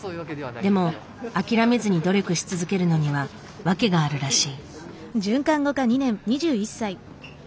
でも諦めずに努力し続けるのには訳があるらしい。